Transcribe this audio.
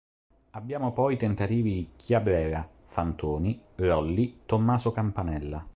Abbiamo poi tentativi di Chiabrera, Fantoni, Rolli, Tommaso Campanella.